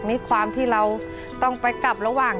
มีความที่เราต้องไปกลับระหว่าง